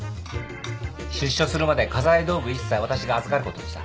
出所するまで家財道具一切私が預かることにした。